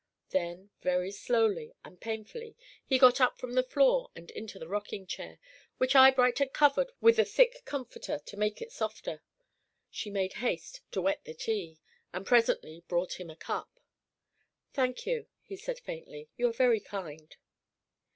Then very slowly and painfully he got up from the floor and into the rocking chair which Eyebright had covered with a thick comfortable to make it softer. She made haste to wet the tea, and presently brought him a cup. "Thank you," he said, faintly. "You are very kind."